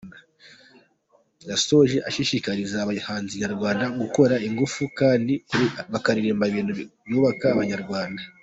Yasoje ashishikariza abahanzi nayrwanda gukorana ingufu kandi bakaririmba ibintu byubaka abanyarwanda.